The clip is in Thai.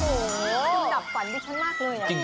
โอ้โฮดูหลับฝันดีฉันมากเลยนะ